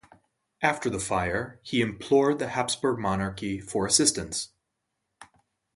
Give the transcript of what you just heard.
After the fire, he implored the Habsburg monarchy for assistance.